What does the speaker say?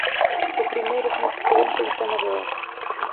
O primeiro, señor presidente, un tema de orde.